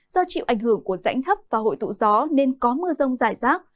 do chịu ảnh hưởng của rãnh thấp và hội thụ gió nên có mưa rông giải rác